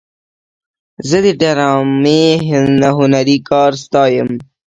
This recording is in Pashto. زه د ډرامې هنري کار ستایم.